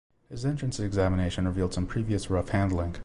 His entrance examination revealed some previous rough handling.